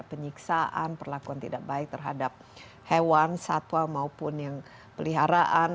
penyiksaan perlakuan tidak baik terhadap hewan satwa maupun yang peliharaan